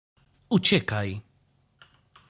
Uciekaj.